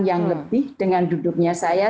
yang lebih dengan duduknya saya